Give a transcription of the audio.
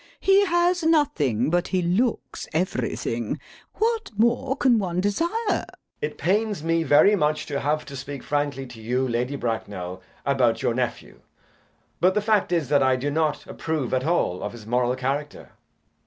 He has nothing, but he looks everything. What more can one desire? JACK. It pains me very much to have to speak frankly to you, Lady Bracknell, about your nephew, but the fact is that I do not approve at all of his moral character.